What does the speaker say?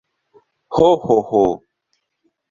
Ho, ho, ho!